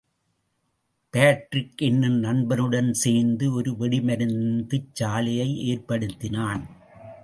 Patrick என்னும் நண்பனுடன் சேர்ந்து ஒரு வெடிமருந்துச் சாலையை ஏற்படுத்தினான்.